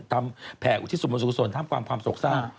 ทำแผ่อุทธิสมสุขสนทำความสกสรรค์